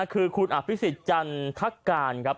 คือคุณอภิกษิจันทรักกาลครับ